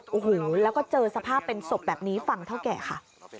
โอ้โหแล้วก็เจอสภาพเป็นศพแบบนี้ฟังเท่าแก่ค่ะ